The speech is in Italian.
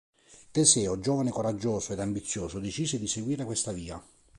Teseo, giovane coraggioso ed ambizioso, decise di seguire questa via.